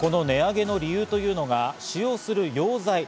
値上げの理由というのが使用する溶剤。